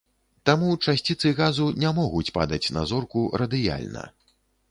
Таму часціцы газу не могуць падаць на зорку радыяльна.